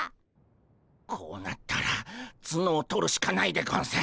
こうなったらツノを取るしかないでゴンス。